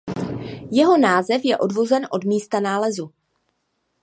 Jeho název je odvozen od místa nálezu.